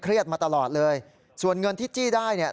มาตลอดเลยส่วนเงินที่จี้ได้เนี่ย